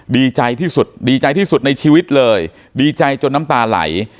ดีใจที่สุดดีใจที่สุดในชีวิตเลยดีใจจนน้ำตาไหล